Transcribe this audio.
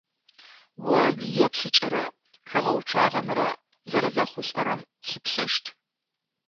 О уиепъыкӏэрэ хэгъэуцуагъэмрэ зэрэзэхъулӏэрэм лъыплъэщт.